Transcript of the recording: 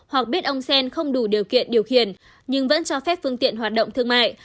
hoặc biết ông xen không đủ điều kiện điều khiển nhưng vẫn cho phép phương tiện hoạt động thương mại